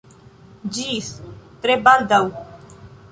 Ĝis tre baldaŭ!